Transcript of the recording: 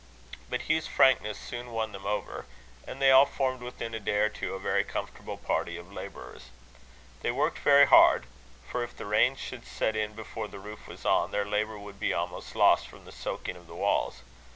But Hugh's frankness soon won them over, and they all formed within a day or two a very comfortable party of labourers. They worked very hard; for if the rain should set in before the roof was on, their labour would be almost lost from the soaking of the walls.